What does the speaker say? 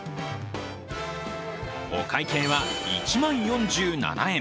お会計は１万４７円。